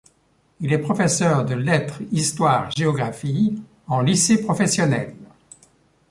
Il est professeur de lettres-histoire-géographie en lycée professionnel.